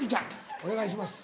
お願いします。